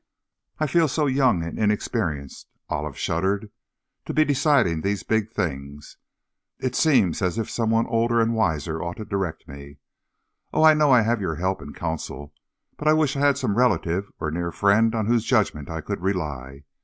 "I feel so young and inexperienced," Olive shuddered, "to be deciding these big things. It seems as if someone older and wiser ought to direct me. Oh, I know I have your help and counsel, but I wish I had some relative or near friend on whose judgment I could rely.